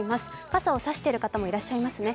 傘を差している方もいらっしゃいますね。